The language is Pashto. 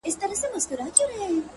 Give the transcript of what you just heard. گراني زر واره درتا ځار سمه زه ـ